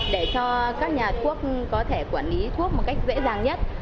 để cho các nhà thuốc có thể quản lý thuốc một cách dễ dàng nhất